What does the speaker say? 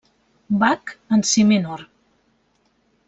Bach en Si Menor.